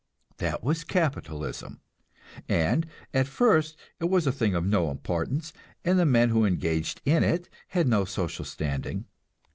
That was capitalism, and at first it was a thing of no importance, and the men who engaged in it had no social standing.